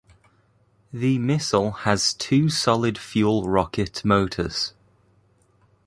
The missile has two solid fuel rocket motors.